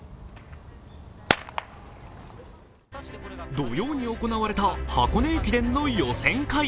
土曜に行われた箱根駅伝の予選会。